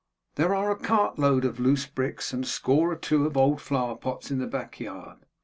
There are a cart load of loose bricks, and a score or two of old flower pots, in the back yard.